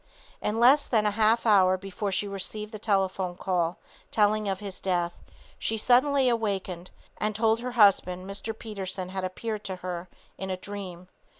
In less than a half hour before she received the telephone call telling of his death she suddenly awakened and told her husband Mr. Peterson had appeared to her in a dream.